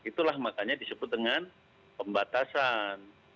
itulah makanya disebut dengan pembatasan